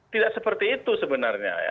tidak seperti itu sebenarnya ya